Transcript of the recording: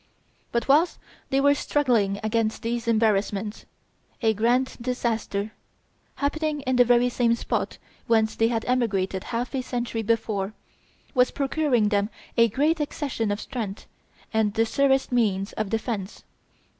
But whilst they were struggling against these embarrassments, a grand disaster, happening in the very same spot whence they had emigrated half a century before, was procuring them a great accession of strength and the surest means of defence.